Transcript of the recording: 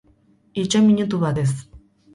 Itxoin minutu batez.